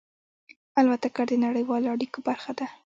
الوتکه د نړیوالو اړیکو برخه ده.